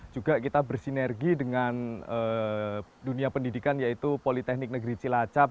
juga kita bersinergi dengan dunia pendidikan yaitu politeknik negeri cilacap